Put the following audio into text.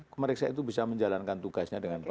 pemeriksa itu bisa menjalankan tugasnya dengan baik